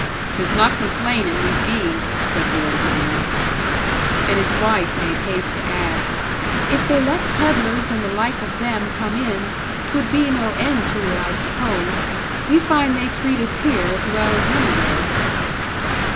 "'Tis not complainin' we'd be," said the old man. And his wife made haste to add, "If they let peddlers and the like of them come in, 'twould be no end to it, I suppose. We find they treat us here as well as anywhere."